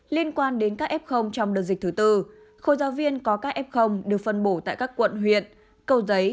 liên quan đến các f trong đợt dịch thứ tư khối giáo viên có các f được phân bổ tại các quận huyện cầu giấy